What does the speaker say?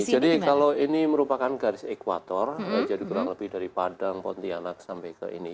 jadi kalau ini merupakan garis ekwator jadi kurang lebih dari padang pontianak sampai ke ini